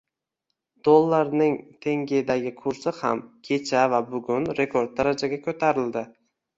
Dollarning tengedagi kursi ham kecha va bugun rekord darajaga ko'tarildi